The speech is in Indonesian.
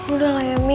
udah lah ya mi